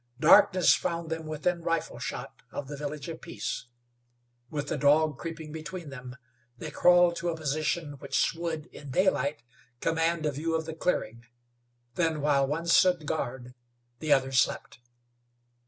Darkness found them within rifle shot of the Village of Peace. With the dog creeping between them, they crawled to a position which would, in daylight, command a view of the clearing. Then, while one stood guard, the other slept.